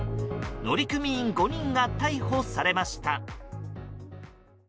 乗組員５人が逮捕されました。